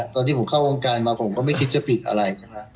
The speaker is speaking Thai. ถึงเมื่อเข้าโรงการมาผมก็ไม่คิดจะปิดริง